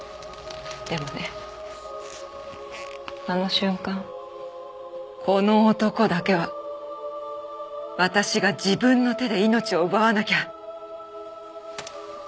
でもねあの瞬間「この男だけは私が自分の手で命を奪わなきゃ」。